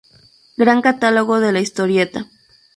Gran Catálogo de la Historieta.